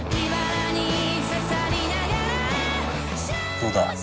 どうだ？